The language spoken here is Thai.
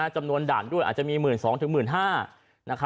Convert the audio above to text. จำนวนด่านด้วยอาจจะมี๑๒๐๐๑๕๐๐บาท